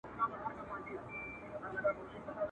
نه په کتاب کي وه چا لوستلي !.